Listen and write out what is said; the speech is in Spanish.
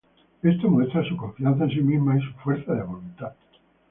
Esto muestra su confianza en sí misma y su fuerza de voluntad.